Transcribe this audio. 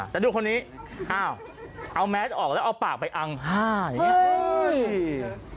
แต่ดูคนนี้อ้าวเอาแมสออกแล้วเอาปากไปอังผ้าอย่างนี้